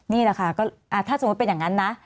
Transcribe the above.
นี่แหละค่ะก็ถ้าสมมุติเป็นอย่างนั้นนะ